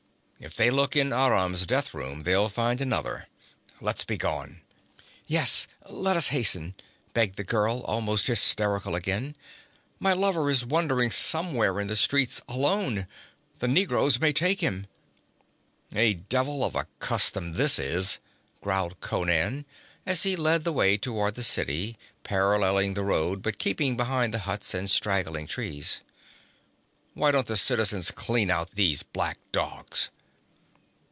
'If they look in Aram's death room they'll find another. Let's begone.' 'Yes, let us hasten!' begged the girl, almost hysterical again. 'My lover is wandering somewhere in the streets alone. The negroes may take him.' 'A devil of a custom this is!' growled Conan, as he led the way toward the city, paralleling the road but keeping behind the huts and straggling trees. 'Why don't the citizens clean out these black dogs?'